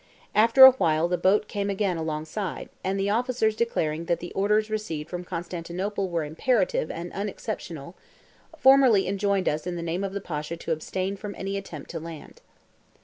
After a while the boat came again alongside, and the officers declaring that the orders received from Constantinople were imperative and unexceptional, formally enjoined us in the name of the Pasha to abstain from any attempt to land.